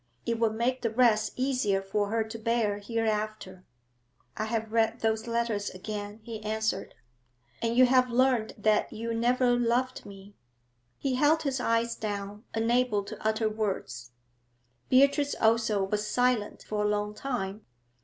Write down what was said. It would make the rest easier for her to bear hereafter. 'I have read those letters again,' he answered. 'And you have learnt that you never loved me?' He held his eyes down, unable to utter words. Beatrice also was silent for a long time.